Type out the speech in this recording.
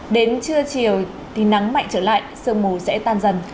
đến trưa chiều thì nắng mạnh trở lại sơn mù sẽ tan dần